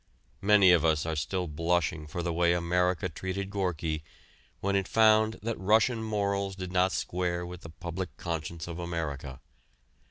Many of us are still blushing for the way America treated Gorki when it found that Russian morals did not square with the public conscience of America.